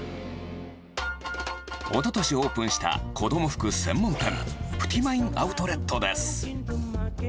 おととしオープンした子ども服専門店、プティマインアウトレットです。